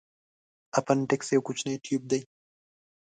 اپنډکس یو کوچنی تیوب دی.